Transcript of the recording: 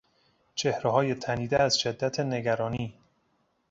چهرههای تنیده از شدت نگرانی